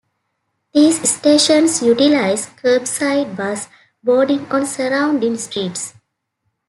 These stations utilize curbside bus boarding on surrounding streets.